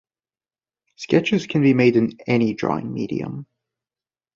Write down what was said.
Sketches can be made in any drawing medium.